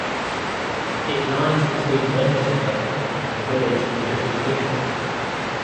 It lies between Wendover and the village of Little Kimble.